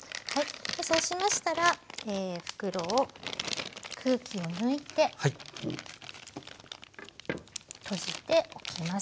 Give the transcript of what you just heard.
そうしましたら袋を空気を抜いて閉じておきます。